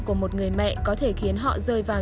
của một người mẹ có thể khiến họ rơi vào